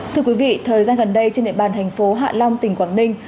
thưa quý vị thời gian gần đây trên địa bàn thành phố hạ long tỉnh quảng ninh